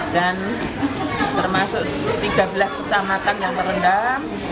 dan termasuk tiga belas kecamatan yang merendam